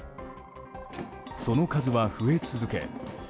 その数は増え続け